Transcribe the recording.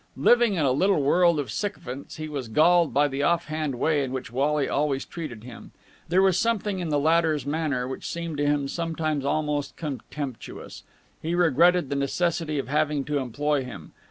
Living in a little world of sycophants, he was galled by the off hand way in which Wally always treated him. There was something in the latter's manner which seemed to him sometimes almost contemptuous. He regretted the necessity of having to employ him.